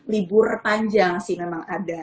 libur panjang sih memang ada